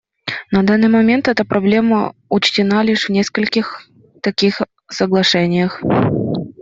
На данный момент эта проблема учтена лишь в нескольких таких соглашениях.